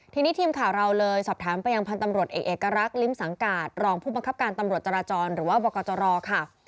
ทีนี้ทีมข่าวเราเลยสอบถามไปยังพันธ์ตำรวจเอกเอกรักษ์ลิ้มสังกาศรองผู้บังคับการตำรวจจราจรหรือว่าบกจรค่ะ